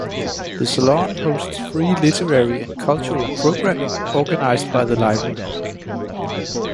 The Salon hosts free literary and cultural programming organized by the library.